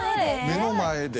目の前で。